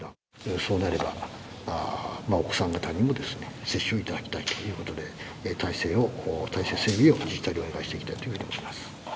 そうなれば、お子さん方にも接種をいただきたいということで、体制を、体制整備を自治体にお願いしていきたいと思っています。